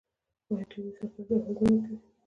آیا دوی د استخراج جواز نه ورکوي؟